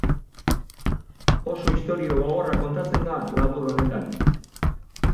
Oso istorio gogorra kontatzen da labur honetan.